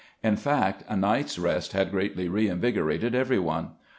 In fact, a night's rest had greatly reinvigorated every one.